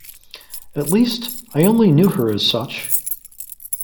At least, I only knew her as such.